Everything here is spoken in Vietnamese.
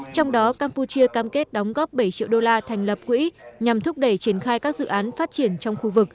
trong đó campuchia cam kết đóng góp bảy triệu đô la thành lập quỹ nhằm thúc đẩy triển khai các dự án phát triển trong khu vực